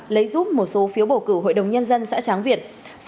lấy giúp một số phiếu bầu cử hội đồng nhân dân xã tráng việt